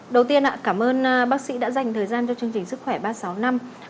đầu tiên cảm ơn bác sĩ đã dành thời gian cho chương trình sức khỏe ba sáu năm